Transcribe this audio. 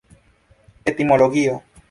etimologio